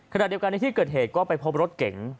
ขณะเดียวกันในที่เกิดเหตุก็ไปพบรถเก๋ง